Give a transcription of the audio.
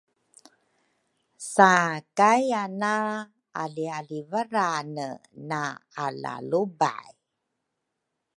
Sakaiana alialivarane na alalubay